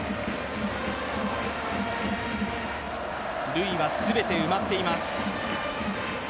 塁はすべて埋まっています。